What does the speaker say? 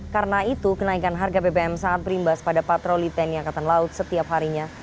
karena itu kenaikan harga bbm sangat berimbas pada patroli tni angkatan laut setiap harinya